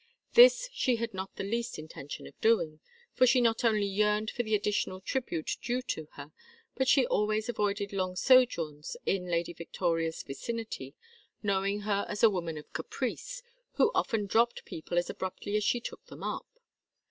This she had not the least intention of doing, for she not only yearned for the additional tribute due to her, but she always avoided long sojourns in Lady Victoria's vicinity, knowing her as a woman of caprice, who often dropped people as abruptly as she took them up.